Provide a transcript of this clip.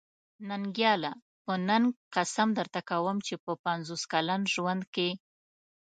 ننګياله! په ننګ قسم درته کوم چې په پنځوس کلن ژوند کې.